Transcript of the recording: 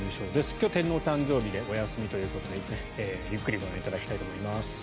今日、天皇誕生日でお休みということでゆっくりご覧いただきたいと思います。